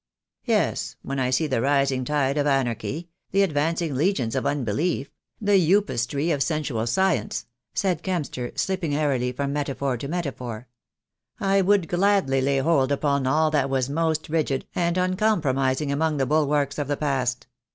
Yes, when I see the rising tide of anarchy — the advancing legions of unbelief — the Upas Tree of sensual science," said Kempster, slipping airily from metaphor to metaphor, "I would gladly lay hold upon all that was most rigid and uncompromising among the bulwarks of the past.